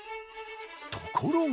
ところが！